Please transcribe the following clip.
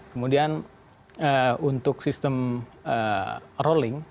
kemudian untuk sistem rolling